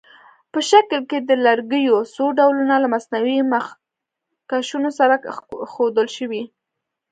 په شکل کې د لرګیو څو ډولونه له مصنوعي مخکشونو سره ښودل شوي.